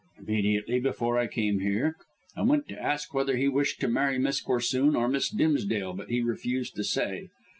"Immediately before I came here. I went to ask whether he wished to marry Miss Corsoon or Miss Dimsdale, but he refused to say.